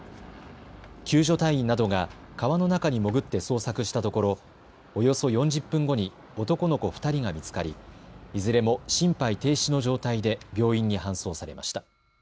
救助隊員などが川の中に潜って捜索したところおよそ４０分後に男の子２人が見つかりいずれも心肺停止の状態で病院に搬送されました。